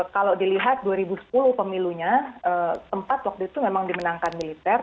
kalau dilihat dua ribu sepuluh pemilunya sempat waktu itu memang dimenangkan militer